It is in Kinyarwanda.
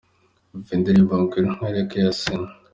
Umva indirimbo Ngwino nkwereke ya Ciney.